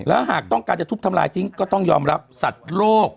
แล้วหากต้องการจะทุบทำลายทิ้งก็ต้องยอมรับสัตว์โรค